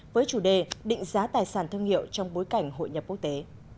với chủ đề định giá tài sản thương hiệu trong bối cảnh hội nhập quốc tế